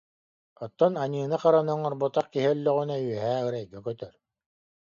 Оттон аньыыны-хараны оҥорботох киһи өллөҕүнэ, үөһээ ырайга көтөр